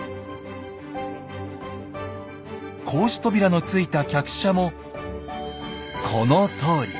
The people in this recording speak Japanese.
格子扉のついた客車もこのとおり。